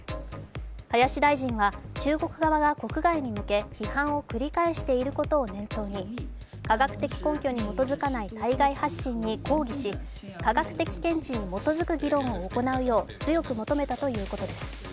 林大臣は中国側が国外に向け批判を繰り返していることを念頭に科学的根拠に基づかない対外発信に抗議し科学的見地に基づく議論を行うよう強く求めたということです。